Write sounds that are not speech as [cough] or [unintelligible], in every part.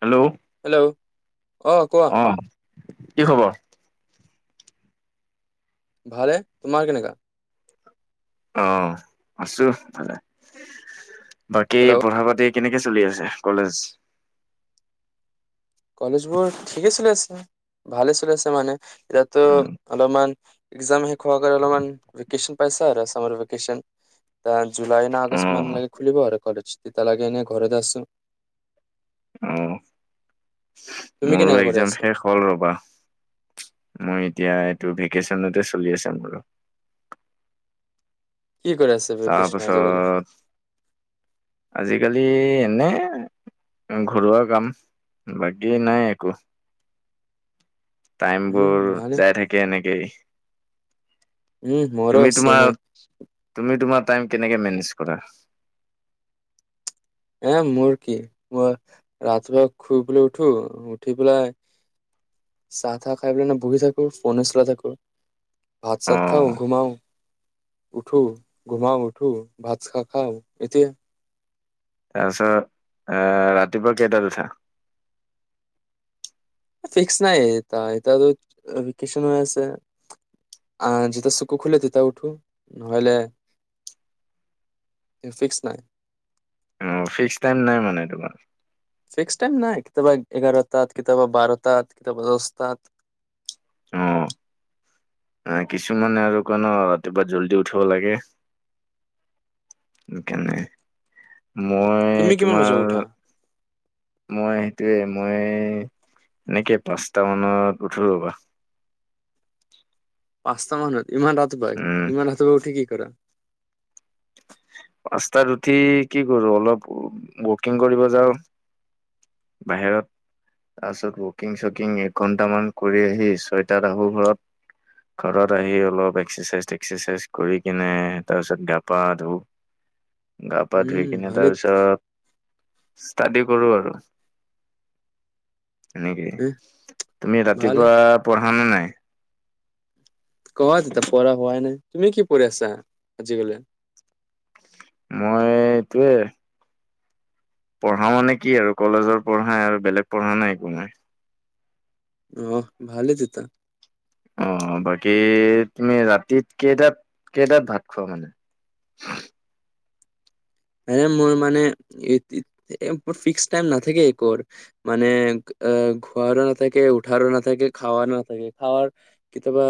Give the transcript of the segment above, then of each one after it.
Hello. Hello অ কোৱা। কি খবৰ? ভালে তোমাৰ কেনেকুৱা? অঁ আছো ভালে। বাকী হেল্ল' পঢ়া পাতি কেনেকে চলি আছে কলেজ? কলেজ বোৰ ঠিকে চলি আছে, ভালে চলি আছে মানে। এয়াতো অ অলপমান এক্সা শেষ হোৱা কাৰনে অলপমান ভেকেচন পাইছা আৰু চামাৰ ভিকেচন। ডেন জুলাই ন অ আগষ্ট মান লাগে খুলিব আৰু কলেজ। তেতি লাগে এনে ঘৰত আছো। আহ। তুমি মোৰো কেনেকা কৰি এক্জাম আছা শেষ হ'ল ৰবা মই এতিয়া তোৰ ভেকেশচনতে চলি আছে বাৰু। কি কৰে আছে ভেকেচনত আজিকালি? আজিকালি এনে ঘৰুৱা কাম বাকী নাই একো। টাইম উম বোৰ ভালে যাই থাকে এনেকেই। উম মোৰো তুমি চেমে তোমাৰ তুমি তোমাৰ টাইম কেনেকে মেনেজ কৰা। এ মোৰ কি মই ৰাতিপুৱা শুই পেলাই উঠো উঠি পেলাই চাহ টাহ খাই পেলাই নে বহি থাকো ফোনে চলাই থাকো। ভাত অ চাত খাওঁ ঘুমও। উঠো ঘুমাও উঠো ভাত খা খাও এতিয়া তাৰপিছত এ ৰাতিপুৱা কেইটা উঠা? ফিক্স নাই এ এতিয়া টো ভেকেছন হৈ আছে যেতিয়া চুকু খোলে তেতিয়া উঠো নহলে ফিক্স নাই। অ ফিক্স টাইম নাই মানে তোমাৰ। ফিক্স টাইম নাই কেতিয়াবা এঘাৰটাত কেতিয়াবা বাৰটাত কেতিয়াবা দহটাত। অ কিছুমানে আৰু ক ন ৰাতিপুৱা জল্দি উঠিব লাগে। কেনে মই তুমি কিমান বজাত তোমাৰ উঠা? মই সয়ে মই এনেকে পাঁচটা মানত উঠলো ৰবা। পাঁচটা মানত। ইমান ৰাতিপুৱাই উম ইমান ৰাতপুৱাই উঠি কি কৰা? পাঁচত উঠি কি কৰো অলপ ৱকিং কৰিব যাও। বাহিৰত তাৰপিছত ৱকিং চকিং এক ঘন্টামান কৰি আহি ছয়টাত আহোঁ ঘৰত। ঘৰত আহি অলপ এক্সাৰচাইজ টেক্সাৰচাইজ কৰি কিনে তাৰপিছত গা পা ধু। গা পা ধুই উম, কিনে ভালে তাৰ পিছত ষ্টাডি কৰো আৰু সেনেকে এহ তুমি ভালে, ৰাতিপুৱা পঢ়া নে নাই? কোৱা তেতিয়া পঢ়া হোৱাই নাই, তুমি কি পঢ়ি আছা আজিকালি? মই এইটোৱে পঢ়া মানে কি আৰু কলেজৰ পঢ়া আৰু বেলেগ পঢ়া নাই একো নাই। অহ ভালেই তেতিয়া অ' বাকী তুমি ৰাতিত কেইটাত, কেইটাত ভাত খোৱা মানে মোৰ মানে মোৰ ফিক্স টাইম নাথাকে একৰ মানে খোৱাৰো নাথাকে, উঠাৰো নাথাকে, খাৱাৰো নাথাকে, খাৱাৰ কেতিয়াবা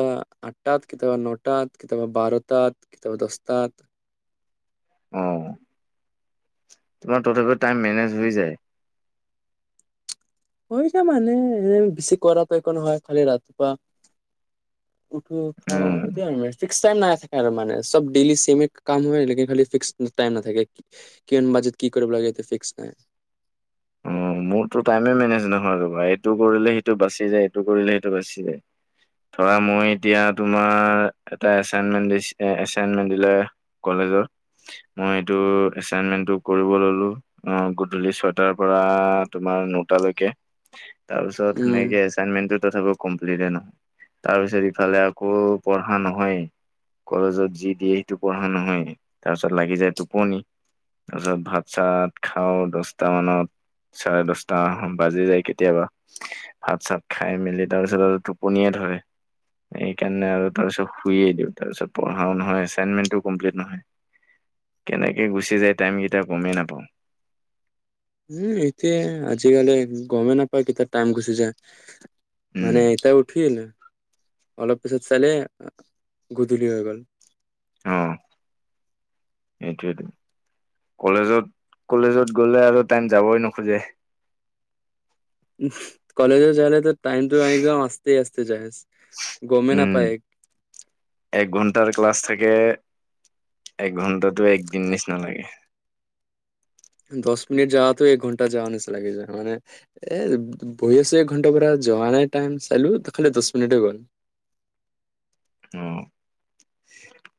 আঠটাত কেতিয়াবা ন'টাত, কেতিয়াবা বাৰটাত, কেতিয়াবা দহটাত। অহ। তোমাৰ তথাপিও টাইম মেনেজ হৈ যায়। হৈ যায় মানে এনে বেছি কৰাটো একো নহয়, খালি ৰাতিপুৱা উঠো খাও উম, এতিয়া [unintelligible] [unintelligible] নাই থাকে আৰু চব ডেইলি চেমিত কাম হয়, ফিক্স টাইম নাথাকে, কিমান বাজেত কি কৰিব লাগে ফিক্স নাই। অ' মোৰটো টাইমে মেনেজ নহয় ৰবা এইটো কৰিলে সেইটো বাচি যায়, ইটো কৰিলে সিটো বাচি যায়, ধৰা মই এতিয়া তোমাৰ এটা এচাইণ্টমেন দিলে, এচাইণ্টমেন দিছে কলেজত, মই সেটো এচাইণ্টমেনটো কৰিব ললো অ' গধূলি ছয় টাৰ পৰা পৰা তোমাৰ নটা লৈকে তাৰ পিছত উম সেনেকে এচাইনমেন্টটো তাৰপিছত আকৌ কমপ্লিট নহয় তাৰপিছত ইফালে আকৌ পঢ়া নহয়েই, কলেজত যি দিয়ে সেইটো পঢ়া নহয়, তাৰপিছত লাগি যায় টোপনি, তাৰপিছত ভাত-চাত খাও, দহটা মানত চাৰে দহটা বাজি যায় কেতিয়াবা ভাত চাত খাই মেলি তাৰপিছত আৰু টোপনিয়ে ধৰে সেইকাৰণে আৰু তাৰ পিছত শুইে দিও, তাৰ পিছত পঢ়াও নহয় এচাইন্টমেন্টো কমপ্লিট নহয়, কেনেকে গুচি যায় টাইম কেইটা গমেই নাপাও। উম, এতিয়া আজিকালি গমে নাপায় কেতিয়া টাইম গুচি যায়। উম মানে এতিয়া উঠিল। অলপ পিছত চালে গধূলি হৈ গ'ল। অ' সেইটোৱেইটো কলেজত, কলেজত গ'লে আৰু টাইম যাবই নোখোজে। উম' কলেজত যোৱা হ'লে তো টাইমটো একদম অতছে অতছে তে যাহেজ উম, এক ঘণ্টাৰ ক্লাছ থাকে। একঘণ্টা। টো এক দিন নিচিনা লাগে। দহ মিনিট যাৱাতো এক ঘণ্টা যাৱা নিচিনা লাগি যায়, মানে এ বহি আছো এক ঘন্টাৰ পৰা যোৱা নাই টাইম চালো, খালি দহ মিনিটেই গ'ল। অ'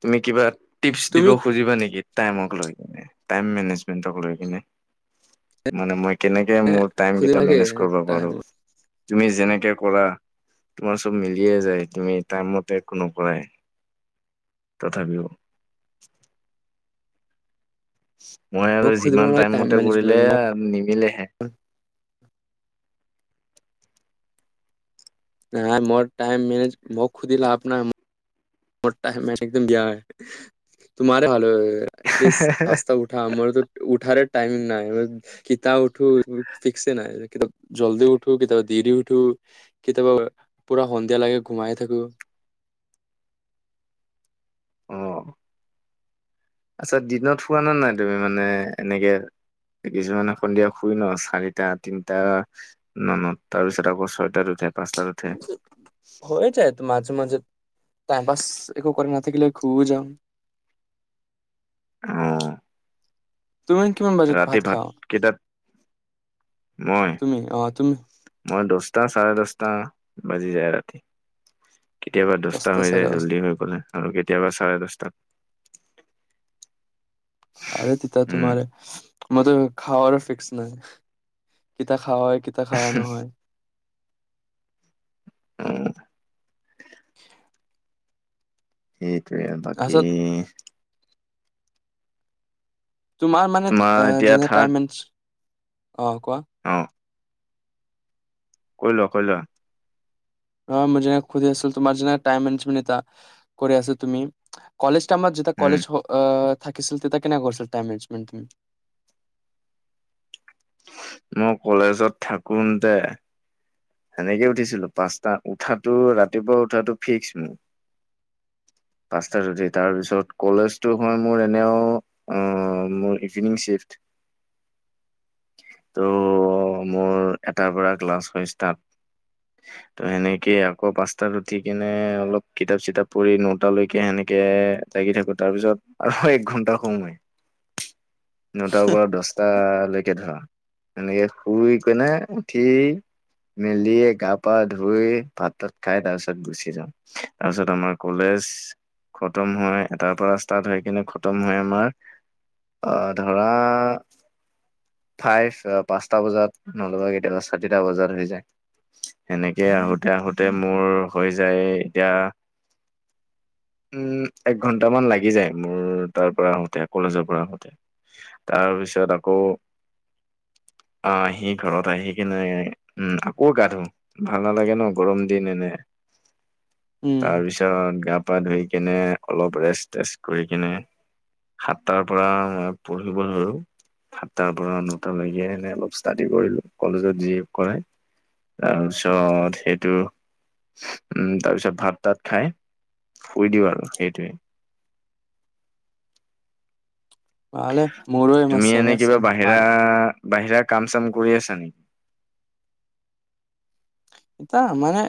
তুমি কিবা টিপছ দিব তুমি খুজিবা নেকি টাইমক লৈ টাইম মেনেজমেন্টক লৈ কিনে মানে মই কেনেকে মোৰ টাইম খুদিব কেইটা নালাগে মেনেজ কৰিব টাইম পাৰো। তুমি যেনেকে কৰা তোমাৰ চব মিলিয়ে যায় তুমি টাইমত। একো নকৰাই তথাপিও মই মোক আৰু খুদিব যিমান নালাগে টাইম মতে কৰিলে মেনেজমেণ্ট মই নিমিলেহে। নাই মোৰ টাইম মেনেজ মোক সুধি লাভ নাই মোৰ মোৰ টাইম মানে একদম বিয়া হয়, তুমহৰাৰে ভাল ইচ আস্তা উঠা আমাৰ হাতত উঠ উঠাৰে টাইম নাই কিতা উঠো ফিক্স নাইতি জল্দি উঠো কেতিয়াবা দেৰি উঠো কেতিয়াবা পুৰা সন্ধিয়া লাগে ঘুমাই থাকো অ', আচ্ছা দিনত শুৱা নে নাই তুমি মানে এনেকে কিছুমান এ সন্ধিয়া শুই ন চাৰিটা তিনটা মানত তাৰপিছত আকৌ ছয়টাত উঠে পাঁচটাত উঠে হয় যায় ট মাজে মাজে টাইম পাছ একো কৰে নাথাকিলে খুবেই যাম আহ তুমি কিমান বাজিন ভাত খাৱ কেইটাত মই তুমি অ তুমি মই দহটা চাৰে দহটা বাজি যায় ৰাতি কেতিয়াবা দশটা দছটা হৈ যায় চাৰে দছটা জল্দি হৈ পলে আৰু কেতিয়াবা চাৰে দশটাত আৰে তেতিয়া উম। তোমাৰে মত খাওৰ ও ফিক্স নাই [unintelligible] [unintelligible] উ'। [unintelligible] উম'। তে বাকী তাৰপিছত তোমাৰ মানে এতিয়া যেনে থাৰ্ড টাইমেচ অ কোৱা অ' কৈ লোৱা কৈ লোৱা। [unintelligible] [unintelligible] থাকিছিল তেতিয়া উম কেনেকৈ কৰিছিল টাইম মেজমেণ্ট তুমি? মই কলেজত থাকোন তে সেনেকে উঠিছিলো পাঁচ টা ত উঠো ৰাতিপুৱা উঠা ফিক্স মোৰ, পঁচাত উঠি তাৰ পিছত কলেজটো হয় মোৰ এনেও মোৰ ইভিনিংচিফ্ট ত মোৰ এটাৰ পৰা ক্লাছ হয় ষ্চাট। ত সেনেকে আকৌ পাঁচটাত উঠি কেনে অলপ কিতাপ চিতাপ পঢ নটালৈকে সেনেকে লাগি থাকো তাৰপিছত আৰু এক ঘন্টা [unintelligible] নটাৰ পৰা দছটা ভালকে ধৰা এনেকে শুই কেনে উঠি মেলিয়ে গা পা ধুই ভাত তাত খাই তাৰ পিছত গুচি যাওঁ তাৰপিছত আমাৰ কলেজ খতম হয় এটাৰ পৰা ষ্টাৰ্ট হৈ কিনে খতম হয় আমাৰ আহ ধৰা ফাইভ পাঁচটা বজাত নলবা কেতিয়াবা চাৰিটা বজাত হৈ যায়। সেনেকে আহোতে আহোতে মোৰ হৈ যায় এতিয়া উম, এক ঘন্টামান লাগি যায় মোৰ তাৰ পৰা আহোতে কলেজৰ পৰা আহোতে তাৰ পিছত আকৌ আহ আহি ঘৰত আহি কিনে উম, আকৌ গা ধো ভাল নালাগে ন গৰম দিন এনে উম তাৰপিছত গা- তপা ধুই কেনে অলপ ৰেষ্ট টেষ্ট কৰি কিনে সাতটাৰ পৰা ম পঢ়িব ধলো সাতটাৰ পৰা নটালৈকে এনে অলপ ষ্টাডি কৰিলো কলেজত যি কৰে তাৰপিছত সেইটো উম, তাৰপিছত ভাত তাত খাই শুই দিওঁ আৰু সেইটোৱে। ভলে মোৰো ইমান তুমি এনে চেমে কিবা আছে বাহিৰা মান বাহিৰা কাম চাম কৰি আছা নেকি? এতা মানে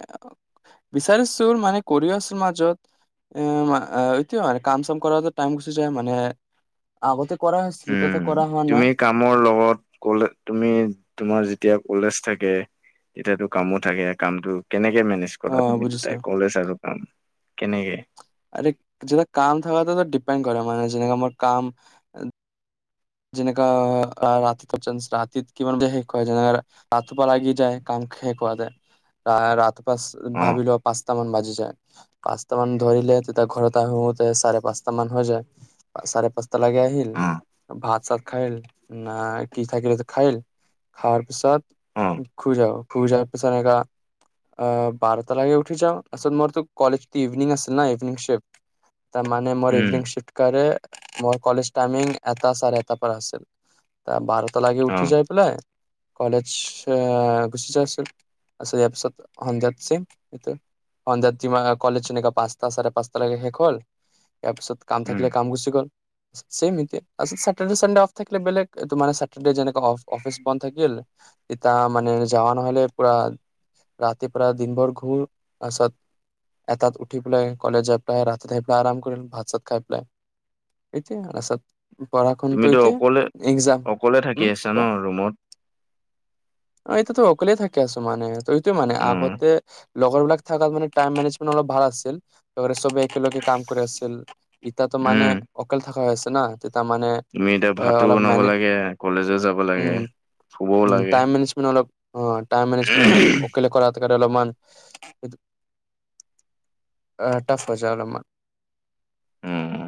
বিচাৰিছো মানে কৰি আছ মাজত এ এইটো মানে কাম চাম কৰা টাইম গুচি যায় মানে আগতে কৰা হৈছিল এতিয়াতো উম, কৰা হোৱা নাই তুমি কামৰ লগত কলে তুমি তোমাৰ যেতিয়া কলেজ থাকে এতিয়াতো কামো থাকে কামতটো কেনেকে মেনেজ অ কৰা তুমি বুজিছো দুটাই কলেজ আৰু কাম? কেনেকে? আৰু য কাম থাক ডিপেণ্ড কৰে মানে যেনেকে মাৰ কাম যেনেকা ৰাতিপান ৰাতিত কিমান শেষ হয় যেনে ৰাতিপুৱা লাগি যায় কাম শেষ খোৱা যায় [unintelligible] ভাবি অ', লোৱা পচঁটা মান বাজি পাচঁ মান ধৰিলে তেতিয়া ঘৰত আহোতে চাৰে পাঁচটা মান হৈ যায় চাৰে পাঁচ ত লাগে আহিল অ', হাত চ খল ন কি থাক খায়ল খাৰ পিছত অ', [unintelligible] খাই যাও খজা পিছ ন এ বাৰ তা লাগে উঠি যওঁ আচত মোৰ ত কলেজত ইভনং আছিল ন ইভনং শিফ্ট ত মানে মোৰ উম, ইভিনং চিফ্ট কৰে মোৰ কলেজ তাইমিইং এটা চাৰে এটা পৰা আছিল বাৰ ত লাগি উঠি অ', যাই পেলাই কলেজ আহ গুচি যোৱাছো আ ইয়াৰ পিছত সন্ধিয়াত চম এইটো সন্ধিয়াত যম কলেজ চনেকা পাঁচটা চাৰে পাঁচটা লকে শেষ হ'ল। ইাৰ পিছত কাম উম, থাকিলে কাম গুচি গল। চেম এতিয়া। চেটাৰডে চানডে অফ থাকিলে বেলেগ মানে চেটাৰডে যেনেকে অ অফিচ বন্ধ থাকিল তেতিয়া মানে যাৱা নহলে পুৰা ৰাতি পুৰা দিন ভৰ ঘূৰ তাৰপাছত এটাত উঠি পেলাই কলেজ যাই পেলাই ৰাতি আহি পেলাই আৰাম কৰিম ভাত চাত খাই পেলাই এইটোৱে তাৰপাছত তুমিতো অকলে, অকলে থাকি আছা উম ন ৰুমত। অ এটিয়াতো অকলে থাকি আছো মানে। ত' সেইটো মানে উম, আগতে লগৰ বিলাক থাকাত মানে টাইম মেনেজমেন্ট অলপ ভাল আছিল চবে একেলগে কাম কৰি আছিল ইতাতো মানে উম, অকেলে থকা হৈ আছিল। জানা তুমি এতিয়া ভাতো বনাব লাগে, কলেজো যাব লাগে উম শুবও উম লাগে। টাইম মেনেজমেন্ট অলপ অ টাইম মেনেজমেণ্ট অকলে কৰা অলপমান এইটো টাফ হৈ যায় অলপমান। উম,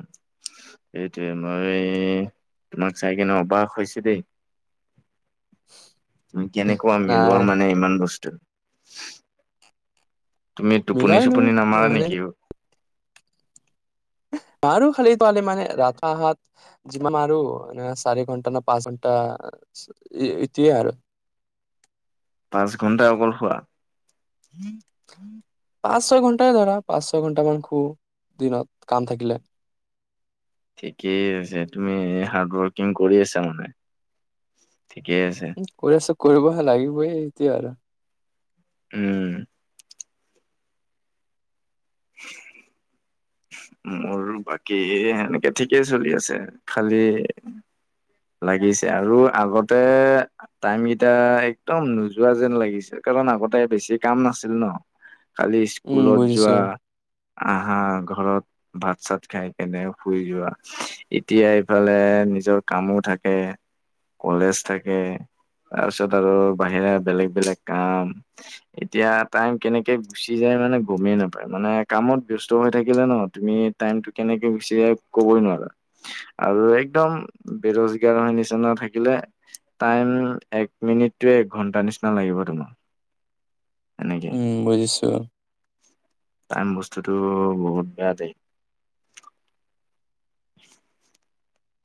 সেইটোৱে মই তোমাক চাই কিনে অবাস হৈছো দেই। তুমি কেনেকুৱা নাই মিলোৱা মানে ইমান বস্তু [unintelligible] তুমি মিলাই টোপনি লো চোপনি নামাৰা মানে নেকি? মাৰো খালি [unintelligible] মানে যিমান মাৰো চাৰি ঘন্টা, নে পাঁচ ঘন্টা ই-ইতিয়োৱে আৰু পাঁচ ঘন্টা অকল শুৱা। পাঁচ, ছয় ঘন্টাই ধৰা পাঁচ, ছয় ঘন্টামান শুৱ দিনত, কাম থাকিলে। ঠিকেই আছে তুমি হাৰ্ড ৱৰ্কিং কৰি আছা মানে? ঠিকেই আছে কৰি আছোঁ, কৰিবহে লাগি [unintelligible] উম। মোৰ বাকী সেনেকে ঠিকেই চলি আছে, খালি লাগিছে আৰু আগতে টাইম কেইটা একদম নোযোৱা যেন লাগিছে কাৰণ আগতে বেছি কাম নাছিল ন'। কালি উম ইস্কুলত যোৱা, বুজিছো আহা, ঘৰত ভাত, চাত খাই কেনে শুই যোৱা, এতিয়া এইফালে নিজৰ কামো থাকে, কলেজ থাকে, তাৰপিছত আৰু বাহিৰা বেলেগ, বেলেগ কাম এতিয়া টাইম কেনেকে গুচি যায় মানে গমেই নাপায় মানে কামত ব্যস্ত হৈ থাকিলে ন তুমি টাইমটো কেনেকে‌ গুচি যায় ক'বই নোৱাৰা, আৰু একদম বেৰজগাৰৰ নিচিনা থাকিলে টাইম এক মিনিটোয়ে এক ঘন্টা নিচিনা লাগিব‌ তোমাৰ। এনেকে উম, বুজিছোঁ। টাইম বস্তুটো বহুত বেয়া দেই।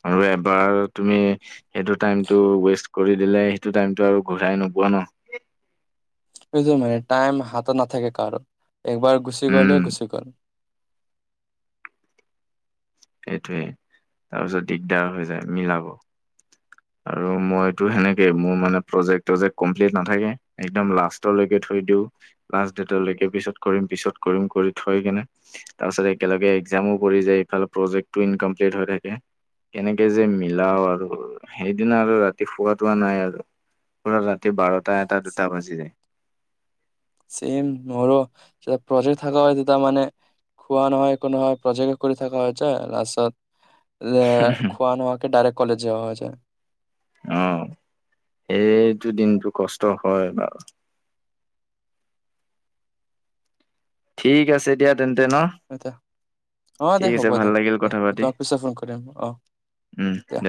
আৰু এবাৰ তুমি সেইটো টাইমটো ৱেষ্ট কৰি দিলে, সেইটো টাইমটো আৰু ঘূৰাই নোপোৱা ন? [unintelligible] মানে টাইম হাতত নাথাকে কাৰো। একবাৰ গুচি উম গ'লে, গুচি গ'ল। সেইটোৱে তাৰপিছত দিগদাৰ হৈ যায় মিলাব। আৰু মইতো সেনেকে মোৰ মানে প্ৰজেক্ট, টজেক্ট কমপ্লিট নাথাকে একদম লাষ্টলৈকে থৈ দিওঁ, লাষ্ট ডেটলৈকে পিছত কৰিম পিছত, কৰিম কৰি থৈ কেনে, তাৰ পিছত একেলগে একজামো পৰি যায় এইফালে প্ৰজেক্টটো ইনকমপ্লিট হৈ থাকে কেনেকে যে, মিলাও আৰু। সেইদিনা আৰু ৰাতি শুৱা, তোৱা নাই আৰু পুৰা ৰাতি বাৰ- টা, এটা, দুটা বাজি যায়। চেইম মোৰো যে, প্ৰজেক্ট থাকা হয়, তেতিয়া মানে খোৱা নহয়, একো নহয় প্ৰজেক্ট কৰি থকা হয় যে, লাষ্টত লে, খোৱা নোহোৱাকে ডাইৰেক্ট কলেজ যোৱা হৈ যায়। অ', সেইটো দিনটো কষ্ট হয়, বাৰু। ঠিক আছে দিয়া তেন্তে ন [unintelligible] অ', দে ঠিক আছে হ'ব ভাল দে, লাগিল দে, কথা মই পাতি তোমাক পিছেত ফোন কৰিম। অ', দিয়া।